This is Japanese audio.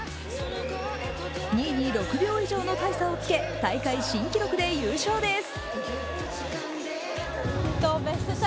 ２位に６秒以上の大差をつけ大会新記録で優勝です。